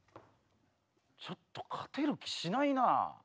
ちょっと勝てる気しないな。